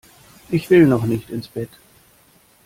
Ich will noch nicht ins Bett!